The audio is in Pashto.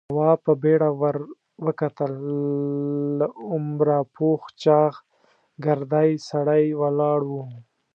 تواب په بيړه ور وکتل. له عمره پوخ چاغ، ګردی سړی ولاړ و.